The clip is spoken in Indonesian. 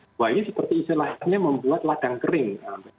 bahwa ini seperti isi lainnya membuat ladang kering